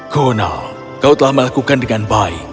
konal kau telah melakukan dengan baik